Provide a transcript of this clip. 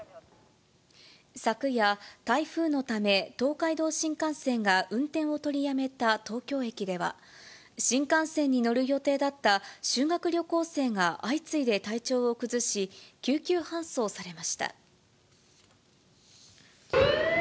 昨夜、台風のため、東海道新幹線が運転を取りやめた東京駅では、新幹線に乗る予定だった修学旅行生が相次いで体調を崩し、救急搬送されました。